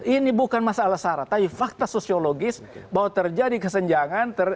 ini bukan masalah syarat tapi fakta sosiologis bahwa terjadi kesenjangan